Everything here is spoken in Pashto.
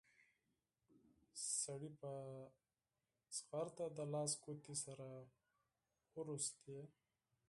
سړي په بيړه د لاس ګوتې سره وروستې.